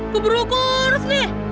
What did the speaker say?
keburu gors nih